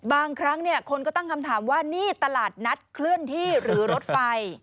บางครั้งคนก็ตั้งคำถามว่านี่ตลาดนัดเคลื่อนที่หรือรถไฟ